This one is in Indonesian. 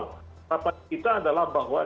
harapan kita adalah bahwa